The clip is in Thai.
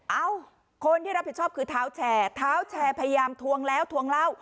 เอ้าคนที่รับผิดชอบคือเท้าแชร์เท้าแชร์พยายามทวงแล้วทวงเล่า